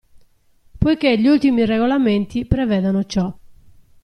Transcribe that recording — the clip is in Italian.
Poichè gli ultimi regolamenti prevedono ciò.